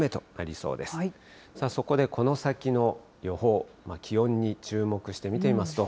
そこでこの先の予報、気温に注目して見てみますと。